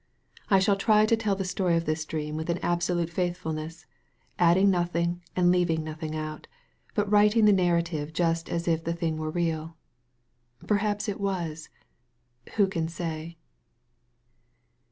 I shall try to tell the story of this dream with an absolute faithfulness, adding nothing and leaving nothing out, but writing the narrative just as if the thing were real. Perhaps it was. Who can say?